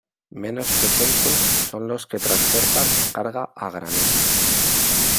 Menos frecuentes son los que transportan carga a granel.